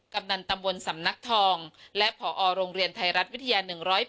กำนันตำบลสำนักทองและผอโรงเรียนไทยรัฐวิทยา๑๐๘